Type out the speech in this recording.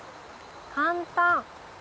簡単。